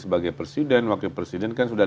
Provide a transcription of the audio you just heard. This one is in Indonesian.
sebagai presiden wakil presiden kan sudah